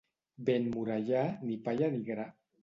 Vent morellà, ni palla ni gra.